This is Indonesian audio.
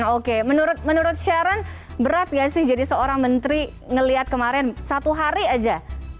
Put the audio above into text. oke menurut sharon berat gak sih jadi seorang menteri ngeliat kemarin satu hari aja